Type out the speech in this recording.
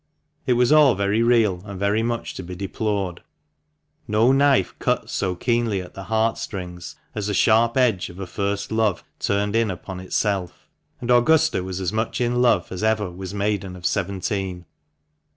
It was all very real and very much to be deplored. No knife cuts so keenly at the heart strings as the sharp edge of a first love turned in upon itself; and Augusta was as much in love as ever was maiden of seventeen.